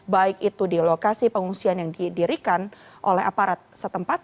baik itu di lokasi pengungsian yang didirikan oleh aparat setempat